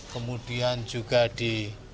kemudian juga di